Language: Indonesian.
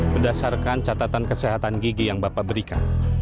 ketika dia berkata bahwa dia sudah siap untuk mencari riza